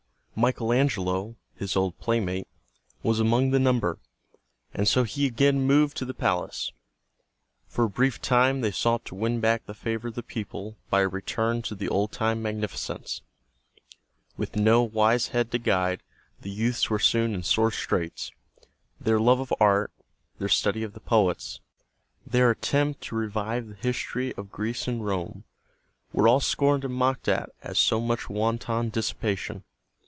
Michael Angelo, his old playmate, was among the number, and so he again moved to the palace. For a brief time they sought to win back the favor of the people by a return to the old time magnificence. With no wise head to guide, the youths were soon in sore straits. Their love of art, their study of the poets, their attempt to revive the history of Greece and Rome were all scorned and mocked at as so much wanton dissipation.